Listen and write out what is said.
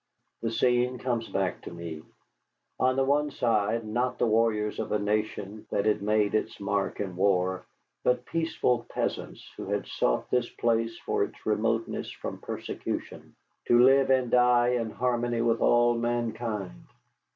The scene comes back to me. On the one side, not the warriors of a nation that has made its mark in war, but peaceful peasants who had sought this place for its remoteness from persecution, to live and die in harmony with all mankind.